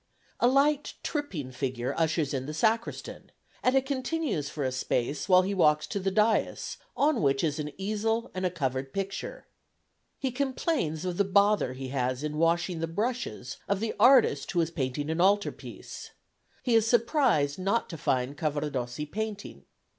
A light tripping figure ushers in the Sacristan, and it continues for a space while he walks to the daïs, on which is an easel and a covered picture. He complains of the bother he has in washing the brushes of the artist who is painting an altar piece. He is surprised not to find Cavaradossi painting.